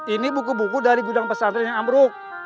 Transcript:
ini buku buku dari gudang pesantren yang ambruk